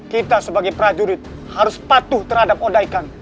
kita sebagai prajurit harus patuh terhadap odaikan